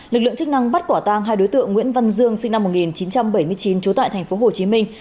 lực lượng chức năng bắt quả tang hai đối tượng nguyễn văn dương sinh năm một nghìn chín trăm bảy mươi chín trú tại thành phố hồ chí minh